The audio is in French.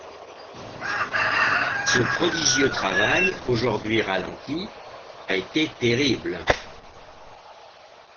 Ce prodigieux travail, aujourd’hui ralenti, a été terrible.